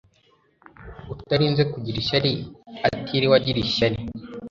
Utarinze kugira ishyari atiriwe agira ishyari